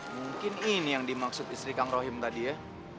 mungkin ini yang dimaksud istri kang rohim tadi ya